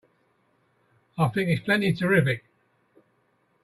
I think it's plenty terrific!